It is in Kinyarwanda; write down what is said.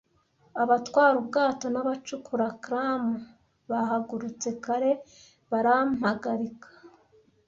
Abatwara ubwato n'abacukura clam bahagurutse kare barampagarika ,